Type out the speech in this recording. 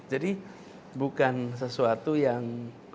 jadi bukan sesuatu yang